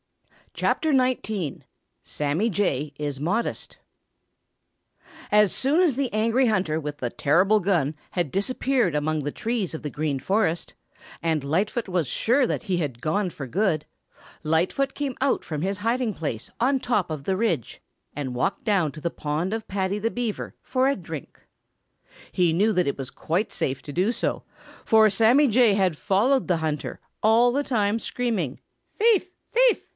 CHAPTER XIX SAMMY JAY IS MODEST As soon as the angry hunter with the terrible gun had disappeared among the trees of the Green Forest, and Lightfoot was sure that he had gone for good, Lightfoot came out from his hiding place on top of the ridge and walked down to the pond of Paddy the Beaver for a drink. He knew that it was quite safe to do so, for Sammy Jay had followed the hunter, all the time screaming, "Thief! thief!